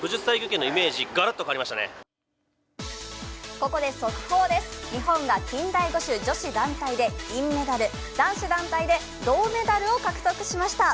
ここで速報です、日本が近代五種女子団体で男子団体で銅メダルを獲得しました。